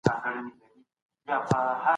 نصوار د غاښونو ستونزې رامنځ ته کوي.